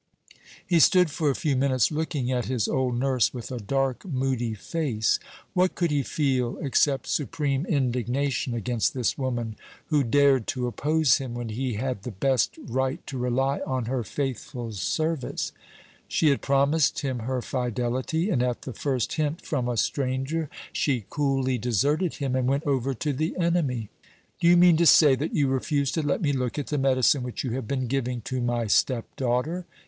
He stood for a few minutes looking at his old nurse, with a dark moody face. What could he feel except supreme indignation against this woman, who dared to oppose him when he had the best right to rely on her faithful service? She had promised him her fidelity, and at the first hint from a stranger she coolly deserted him and went over to the enemy. "Do you mean to say that you refuse to let me look at the medicine which you have been giving to my stepdaughter?"